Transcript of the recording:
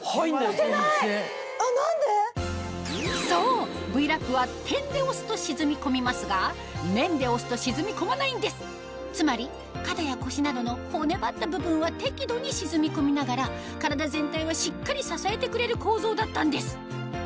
そうＶ−Ｌａｐは点で押すと沈み込みますが面で押すと沈み込まないんですつまり肩や腰などの骨張った部分は適度に沈み込みながら体全体はしっかり支えてくれる構造だったんです